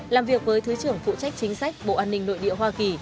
làm việc với thứ trưởng phụ trách chính sách bộ an ninh nội địa hoa kỳ